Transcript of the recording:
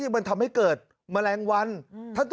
แปลว่า